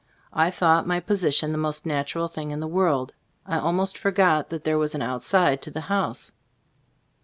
I thought my posi tion the most natural thing in the world ; I almost forgot that there was an outside to the house.